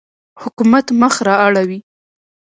حکومت مخ را اړوي.